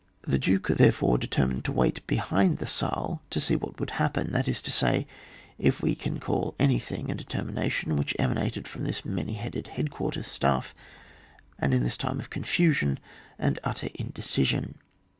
The Duke, therefore, determined to wait behind the Saale to see what would happen, that is to say, if we can call anything a determi nation which emanated from this many headed Headquarters' Staff, and in this time of confusion and utter indecision.